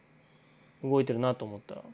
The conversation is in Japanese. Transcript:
動いてるなと思ったら。